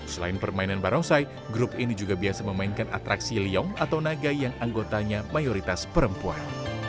selain permainan barongsai grup ini juga biasa memainkan atraksi leong atau naga yang anggotanya mayoritas perempuan